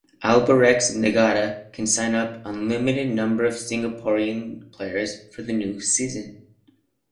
Albirex Niigata can sign up unlimited number of Singaporean players for the new season.